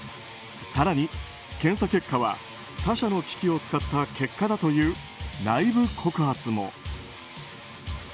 更に検査結果は他社の機器を使った結果だという内部告発も。